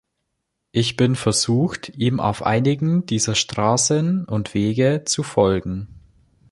Ich bin versucht, ihm auf einigen dieser Straßen und Wege zu folgen.